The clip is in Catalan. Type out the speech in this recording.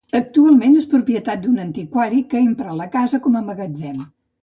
Actualment és propietat d'un antiquari que empra la casa com a magatzem.